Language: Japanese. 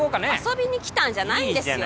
遊びに来たんじゃないんですよ